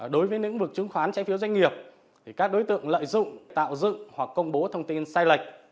đối với lĩnh vực chứng khoán trái phiếu doanh nghiệp thì các đối tượng lợi dụng tạo dựng hoặc công bố thông tin sai lệch